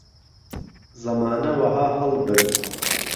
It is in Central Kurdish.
زهمانه وهها ههڵ برد